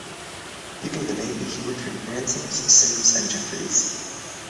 Leaving the navy he worked for Ransomes, Sims and Jeffries.